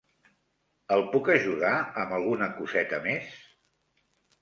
El puc ajudar amb alguna coseta més?